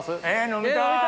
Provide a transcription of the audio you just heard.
飲みたい！